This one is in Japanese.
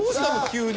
急に。